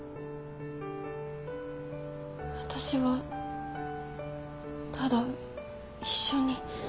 私はただ一緒に。